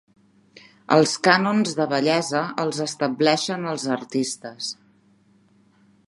Els cànons de bellesa els estableixen els artistes.